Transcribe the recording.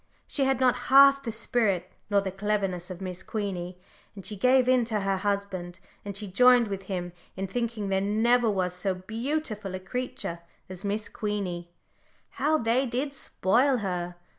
She had not half the spirit nor the cleverness of Miss Queenie, and she gave in to her husband, and she joined with him in thinking there never was so beautiful a creature as Miss Queenie. How they did spoil her!